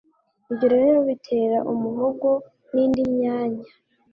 Ibyo rero bitera umuhogo nindi myanya